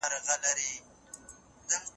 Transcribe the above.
په تشو غونډو هېواد نه جوړيږي.